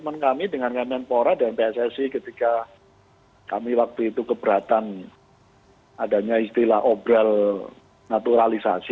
komitmen kami dengan kemenpora dan pssi ketika kami waktu itu keberatan adanya istilah obral naturalisasi